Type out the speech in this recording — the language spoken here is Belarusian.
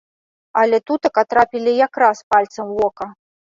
Але тутака трапілі якраз пальцам у вока.